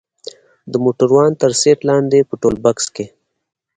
د موټروان تر سيټ لاندې په ټولبکس کښې.